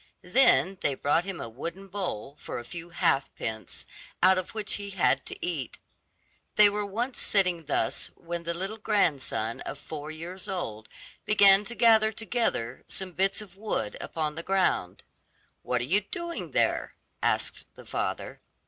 Then they brought him a wooden bowl for a few half pence, out of which he had to eat. They were once sitting thus when the little grandson of four years old began to gather together some bits of wood upon the ground. 'What are you doing there?' asked the father.